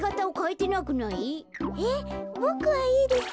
えっボクはいいですよ。